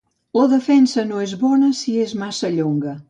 La defensa no és bona si és massa llonga.